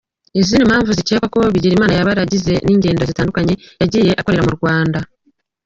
Izindi mpamvu zikekwa ko Bigirimana yaba yarazize ni ingendo zitandukanye yagiye akorera mu Rwanda.